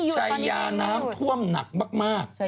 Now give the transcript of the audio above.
ชายาน้ำท่วมหนักมาก